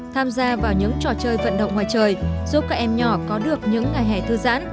tham gia vào những trò chơi vận động ngoài trời giúp các em nhỏ có được những ngày hè thư giãn